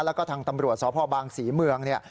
แล้วก็ทางตำรวจสพบางศรีเมืองเนี่ย